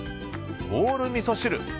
オールみそ汁。